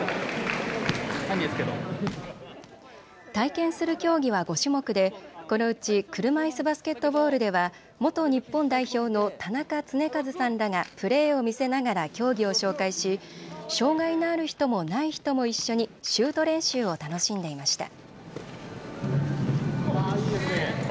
体験する競技は５種目でこのうち車いすバスケットボールでは元日本代表の田中恒一さんらがプレーを見せながら競技を紹介し、障害のある人もない人も一緒にシュート練習を楽しんでいました。